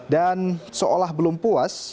dan seolah belum puas